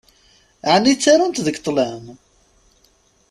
Ɛni ttarunt deg ṭṭlam?